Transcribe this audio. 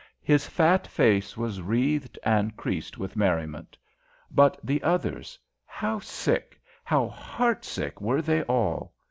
His fat face was wreathed and creased with merriment. But the others, how sick, how heart sick, were they all!